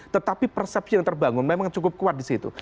tetapi persepsi yang terbangun memang cukup kuat di situ